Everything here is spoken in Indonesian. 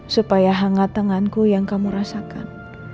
supaya hangat tanganku yang kamu rasakan